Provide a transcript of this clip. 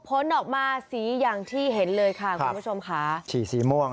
ผลออกมาสีอย่างที่เห็นเลยค่ะคุณผู้ชมค่ะสีสีม่วง